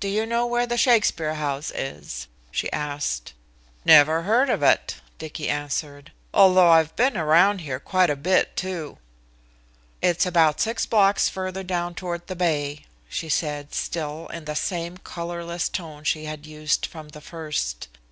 "Do you know where the Shakespeare House is?" she asked. "Never heard of it," Dicky answered, "although I've been around here quite a bit, too." "It's about six blocks further down toward the bay," she said, still in the same colorless tone she had used from the first.